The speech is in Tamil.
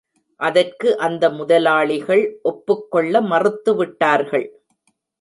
அதற்கு அந்த முதலாளிகள் ஒப்புக் கொள்ள மறுத்துவிட்டார்கள்.